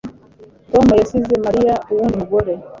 Tom yasize Mariya ku wundi mugore